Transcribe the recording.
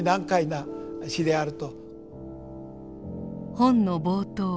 本の冒頭